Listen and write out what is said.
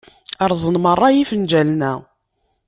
Rrẓen merra ifenǧalen-a.